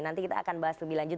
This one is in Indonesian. nanti kita akan bahas lebih lanjut